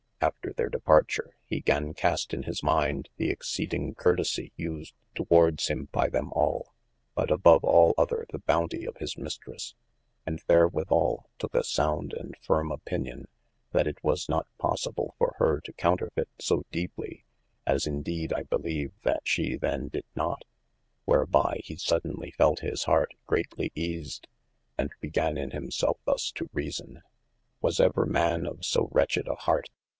After their departure, he gan cast in his mind the exceeding curtesie used towardes him by them all, but above all other the bounty of his Mystresse : and therwithall tooke a sound & firme opinion, that it was not possible for hir to couterfeite so deepely (as in deede I beleeve that shee then did not) wherby he sodenly felt his hert greatly eased, and began in himselfe thus to reason. Was ever man of so wretched a heart